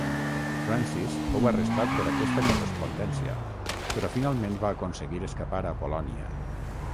Francis fou arrestat per aquesta correspondència, però finalment va aconseguir escapar a Polònia.